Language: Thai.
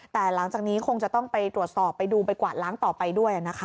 แต่หลังจากนี้คงจะต้องไปตรวจสอบไปดูไปกวาดล้างต่อไปด้วยนะคะ